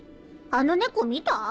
あの猫見た？